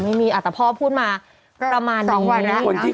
อ่ะแต่พ่อพูดมาประมาณนี้